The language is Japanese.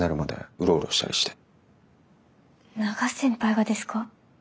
永瀬先輩がですか？